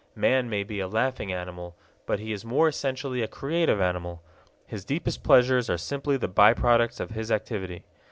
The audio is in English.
Man may be a laughing animal, but he is more essentially a creative animal. His deepest pleasures are simply the by products of his activity.